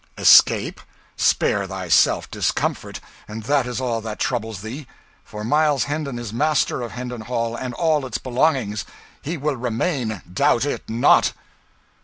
"Escape? Spare thyself discomfort, an' that is all that troubles thee. For Miles Hendon is master of Hendon Hall and all its belongings. He will remain doubt it not."